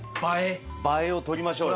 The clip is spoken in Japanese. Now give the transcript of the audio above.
映えを撮りましょうよ。